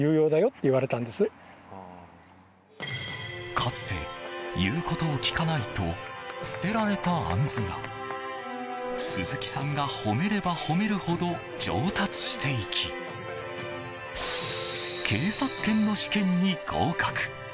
かつて言うことを聞かないと捨てられたアンズが鈴木さんが褒めれば褒めるほど上達していき警察犬の試験に合格。